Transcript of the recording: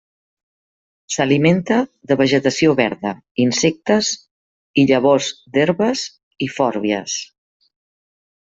S'alimenta de vegetació verda, insectes i llavors d'herbes i fòrbies.